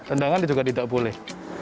tendangan juga tidak boleh